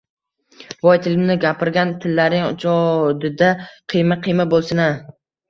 Voy, tilimni gapirgan tillaring jodida qiyma-qiyma bo‘lsin-a.